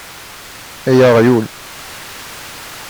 Ay aɣyul!